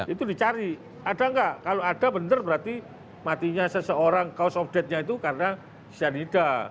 itu dicari ada gak kalau ada benar berarti matinya seseorang cause of deathnya itu karena cyanida